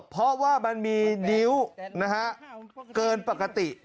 เพราะว่ามันมีนิ้วเกินปกติ